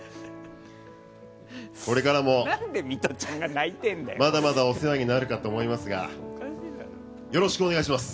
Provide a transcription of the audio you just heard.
これからも、まだまだお世話になるかと思いますがよろしくお願いします。